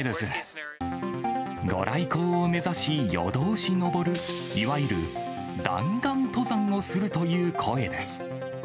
ご来光を目指し、夜通し登る、いわゆる弾丸登山をするという声です。